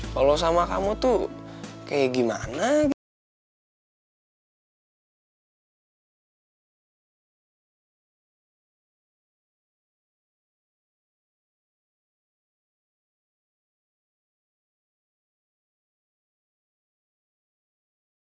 kalau sama kamu tuh kayak gimana gitu